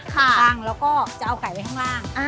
ตั้งแล้วก็จะเอาไก่ไว้ข้างล่าง